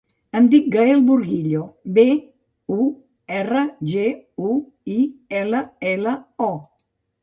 Em dic Gaël Burguillo: be, u, erra, ge, u, i, ela, ela, o.